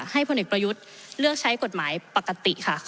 พลเอกประยุทธ์เลือกใช้กฎหมายปกติค่ะ